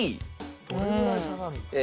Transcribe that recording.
どれぐらい差がある。